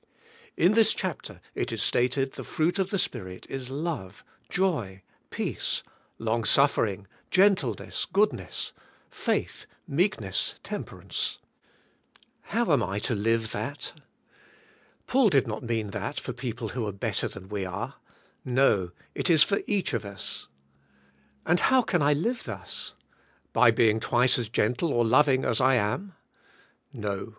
In this chapter it is stated the fruit of the Spirit is love, joy, peace, long" suffering", gentleness, goodness, faith, meekness, temperance. How am I to live that? Paul did not mean that for people who are better than we are. No, it is for each of us. And how can I live thus? By being twice as gentle or loving as I am? No!